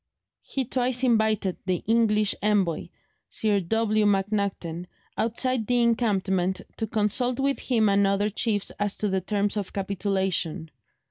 He twice invited the English envoy, Sir W. MacNaghten, outside the encampment to consult with him and other chiefs as to the terms of capitulation.